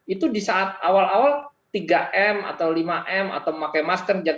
itu di saat awal awal tiga m atau lima m atau memakai masker